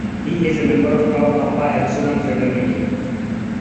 He is a member of the Tau Kappa Epsilon fraternity.